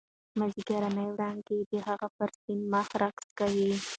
مازیګرنۍ وړانګې د هغې پر سپین مخ رقص کاوه.